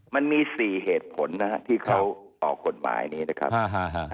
มันมีสี่เหตุผลนะฮะที่เขาออกกฎหมายนี้นะครับ